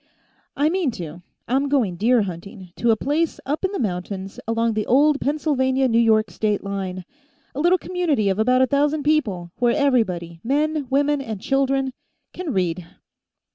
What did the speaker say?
"I mean to. I'm going deer hunting, to a place up in the mountains, along the old Pennsylvania New York state line. A little community of about a thousand people, where everybody, men, women and children, can read."